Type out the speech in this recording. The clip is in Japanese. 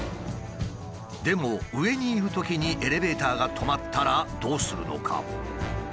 でも上にいるときにエレベーターが止まったらどうするのか？